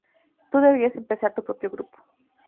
Tú deberías empezar tu propio grupo".